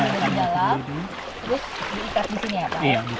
yang sedang dalam